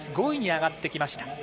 ５位に上がってきました。